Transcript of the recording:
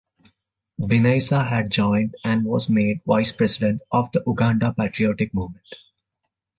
Binaisa had joined, and was made vice president of the Uganda Patriotic Movement.